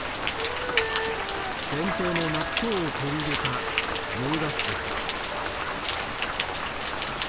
伝統の納豆を取り入れた洋菓子です。